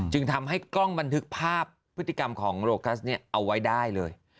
จึงทำให้กล้องบันทึกภาพพฤติกรรมของโรคัสเอาไว้ได้เลย